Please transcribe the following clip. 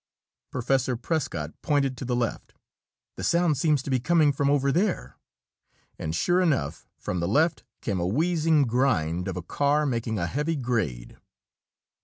Professor Prescott pointed to the left. "The sound seems to be coming from over there." And sure enough, from the left came a wheezing grind of a car making a heavy grade.